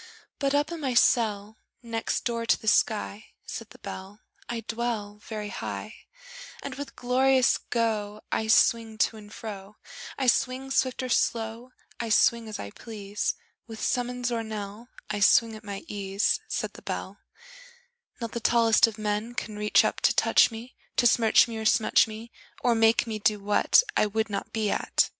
But up in my cell Next door to the sky, Said the Bell, I dwell Very high; And with glorious go I swing to and fro; I swing swift or slow, I swing as I please, With summons or knell; I swing at my ease, Said the Bell: Not the tallest of men Can reach up to touch me, To smirch me or smutch me, Or make me do what I would not be at!